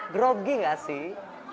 grogi gak sih